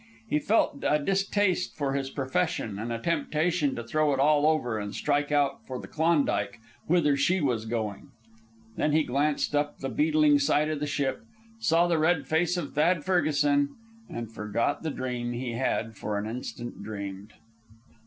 He felt a distaste for his profession, and a temptation to throw it all over and strike out for the Klondike whither she was going; then he glanced up the beetling side of the ship, saw the red face of Thad Ferguson, and forgot the dream he had for an instant dreamed.